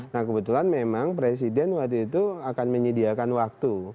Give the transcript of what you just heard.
nah kebetulan memang presiden waktu itu akan menyediakan waktu